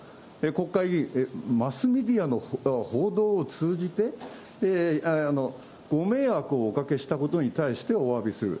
国会議員、マスメディアの報道を通じて、ご迷惑をおかけしたことに対しておわびする。